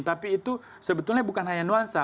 tapi itu sebetulnya bukan hanya nuansa